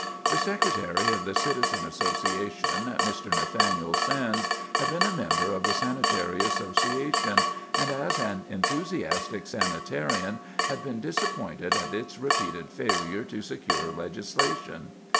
The secretary of the Citizens Association, Mr. Nathaniel Sands, had been a member of the Sanitary Association, and as an enthusiastic sanitarian had been disappointed at its repeated failure to secure legislation.